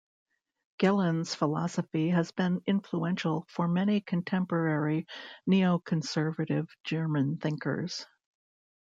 Gehlen's philosophy has been influential for many contemporary neoconservative German thinkers.